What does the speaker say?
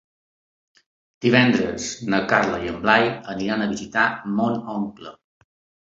Divendres na Carla i en Blai aniran a visitar mon oncle.